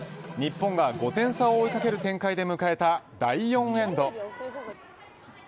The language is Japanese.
日本が５点差を追いかける展開で迎えた第４エンド。